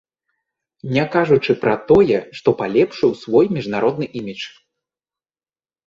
Не кажучы пра тое, што палепшыў свой міжнародны імідж.